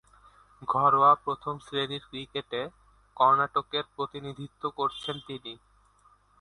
ঘরোয়া প্রথম-শ্রেণীর ক্রিকেটে কর্ণাটকের প্রতিনিধিত্ব করছেন তিনি।